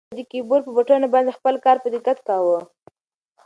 ده د کیبورډ په بټنو باندې خپل کار په دقت کاوه.